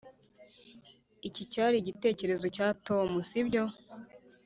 iki cyari igitekerezo cya tom, sibyo?